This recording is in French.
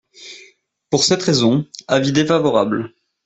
Pour cette raison, avis défavorable.